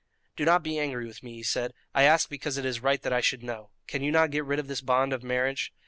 "Do not be angry with me," he said; "I ask because it is right that I should know. Can you not get rid of this bond of marriage?"